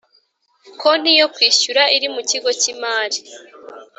konti yo kwishyura iri mu kigo cy imari